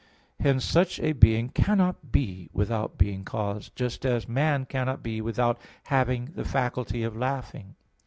Hence such a being cannot be without being caused, just as man cannot be without having the faculty of laughing.